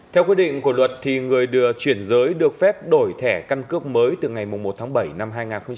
theo quy định của luật người chuyển giới được phép đổi thẻ căn cước mới từ ngày một tháng bảy năm hai nghìn hai mươi bốn